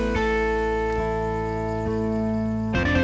cara kau tuh jadi dirty samaa